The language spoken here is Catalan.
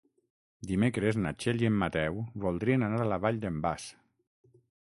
Dimecres na Txell i en Mateu voldrien anar a la Vall d'en Bas.